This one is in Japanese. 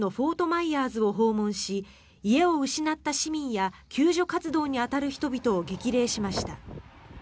マイヤーズを訪問し家を失った市民や救助活動に当たる人々を激励しました。